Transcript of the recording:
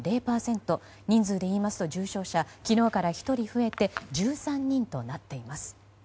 人数でいいますと重症者は昨日から１人増えて１３人となっています。